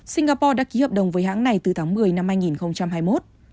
singapore đã ký hợp đồng với hãng này từ tháng một mươi năm hai nghìn hai mươi một